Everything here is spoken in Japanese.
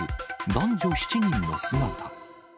男女７人の姿。